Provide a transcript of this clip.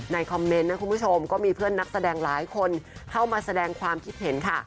คอมเมนต์นะคุณผู้ชมก็มีเพื่อนนักแสดงหลายคนเข้ามาแสดงความคิดเห็นค่ะ